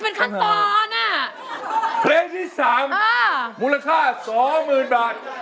เพลงที่๓มูลค่า๒๐๐๐๐บาท